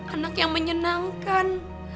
anak yang menyenangkan